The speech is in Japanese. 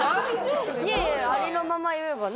いやいやいやありのまま言えばね